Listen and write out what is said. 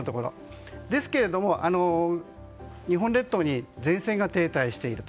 ですけれど、日本列島に前線が停滞している。